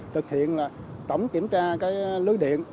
thực hiện tổng kiểm tra lưới điện